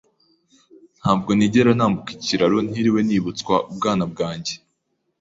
Ntabwo nigera nambuka iki kiraro ntiriwe nibutswa ubwana bwanjye.